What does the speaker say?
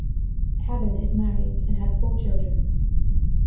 Cadden is married and has four children.